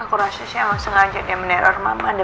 aku rasa saya masih lanjut ya menikmati